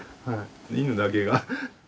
犬だけが。